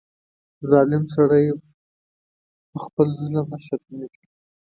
ظالم سړی په خپل ظلم نه شرمېږي.